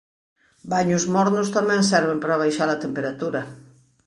Baños mornos tamén serven para baixar a temperatura.